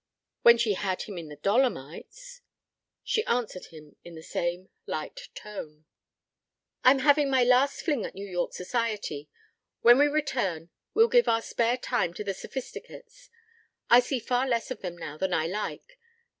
When she had him in the Dolomites ... She answered him in the same light tone. "I'm having my last fling at New York Society. When we return we'll give our spare time to the Sophisticates. I see far less of them now than I like."